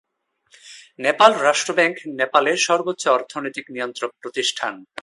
Nepal Rastra bank নেপালের সর্বোচ্চ অর্থনৈতিক নিয়ন্ত্রক প্রতিষ্ঠান।